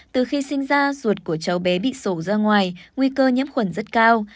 từ khi sinh ra ruột của cháu bé bị sổ ra ngoài nguy cơ nhiễm khuẩn rất cao